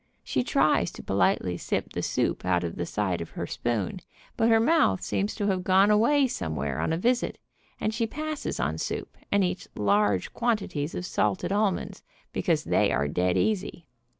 She tries to politely sip the soup out of the side of the spoon, but her mouth seems to have gone away somewhere on a visit, and she passes on soup, and eats large quantities of salted almonds, because they are dead easy.